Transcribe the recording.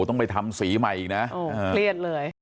ต้องไปทำสีใหม่อีกนะเครียดเลย